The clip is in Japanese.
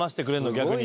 逆に。